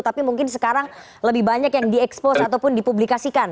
tapi mungkin sekarang lebih banyak yang diekspos ataupun dipublikasikan